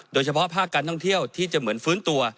โดยเฉพาะภาคการท่องเที่ยวที่จะเหมือนฟื้นตัว